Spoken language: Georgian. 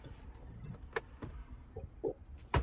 კარგად არის დაცული უძველესი პერიოდის კოლხური ტიპის ტყე.